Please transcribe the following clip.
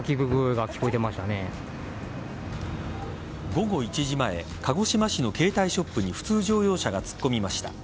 午後１時前鹿児島市の携帯ショップに普通乗用車が突っ込みました。